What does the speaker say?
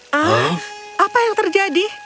hah apa yang terjadi